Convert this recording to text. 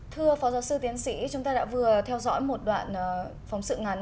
thưa phó giáo sư tiến sĩ chúng ta đã vừa theo dõi một đoạn phóng sự ngắn